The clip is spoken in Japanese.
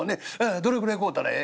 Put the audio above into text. どれぐらい買うたらええ？」。